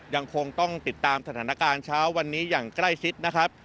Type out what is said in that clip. ยังคงต้องติดตามสถานการณ์เช้าวันนี้อย่างใกล้ชิดนะครับ